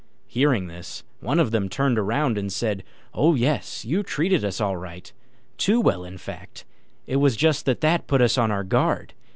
Hearing this, one of them turned round and said, "Oh, yes, you treated us all right too well, in fact; it was just that that put us on our guard.